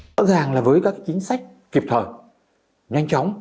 rõ ràng là với các chính sách kịp thời nhanh chóng